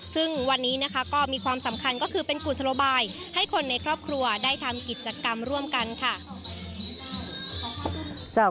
ซึ่งวันนี้นะคะก็มีความสำคัญก็คือเป็นกุศโลบายให้คนในครอบครัวได้ทำกิจกรรมร่วมกันค่ะ